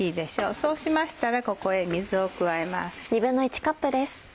そうしましたらここへ水を加えます。